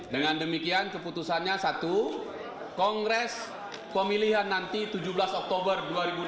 dengan demikian keputusannya satu kongres pemilihan nanti tujuh belas oktober dua ribu delapan belas